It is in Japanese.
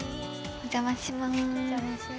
お邪魔します。